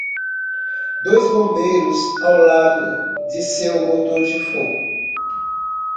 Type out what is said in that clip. Dois bombeiros ao lado de seu motor de fogo.